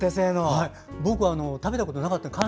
僕は食べたことがなかったんです。